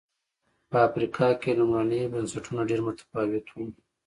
په افریقا کې لومړني بنسټونه ډېر متفاوت و.